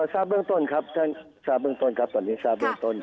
ทราบเบื้องต้นครับท่านทราบเบื้องต้นครับตอนนี้ทราบเบื้องต้น